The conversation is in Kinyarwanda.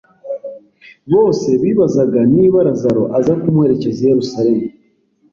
Bose bibazaga niba Lazaro aza kumuherekeza i Yerusalemu,